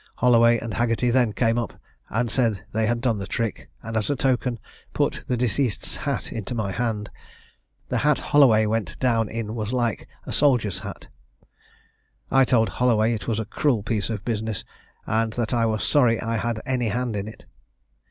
Holloway and Haggerty then came up, and said they had done the trick, and as a token, put the deceased's hat into my hand. The hat Holloway went down in was like a soldier's hat. I told Holloway it was a cruel piece of business, and that I was sorry I had any hand in it.